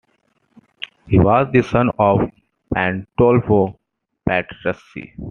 He was the son of Pandolfo Petrucci.